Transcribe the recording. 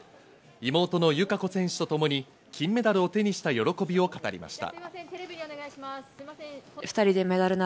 妹の友香子選手とともに金メダルを手にした喜びを語りました。